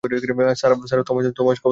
Sarah, Thomas কথা ছড়িয়ে বেরাচ্ছে।